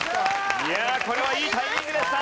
いやこれはいいタイミングでした！